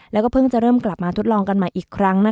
แล้วก็เพิ่งจะเริ่มกลับมาทดลองกันใหม่อีกครั้ง